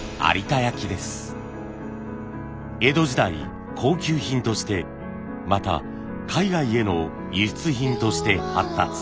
江戸時代高級品としてまた海外への輸出品として発達。